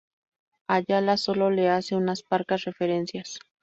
Ayala solo le hace unas parcas referencias.